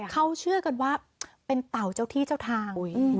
เขาเชื่อกันว่าเป็นเต่าเจ้าที่เจ้าทาง